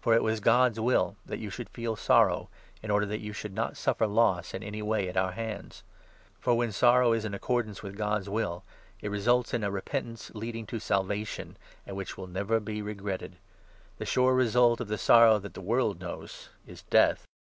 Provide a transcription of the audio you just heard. For it was God's will that you should feel sorrow, in order that you should not suffer loss in any way at our hands. For, when sorrow is in accordance with God's 10 will, it results in a repentance leading to Salvation, and which will never be regretted. The sure result of the sorrow that the world knows is Death.